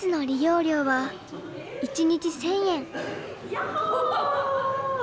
やっほ。